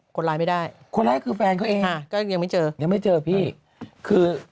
คนร้ายไม่ได้คนร้ายคือแฟนเขาเองก็ยังไม่เจอยังไม่เจอพี่คือ